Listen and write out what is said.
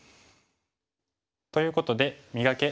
ということで「磨け！